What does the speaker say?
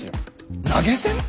投げ銭！？